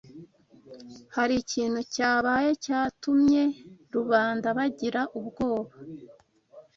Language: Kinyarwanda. hari ikintu cyabaye cyatumye rubanda bagira ubwoba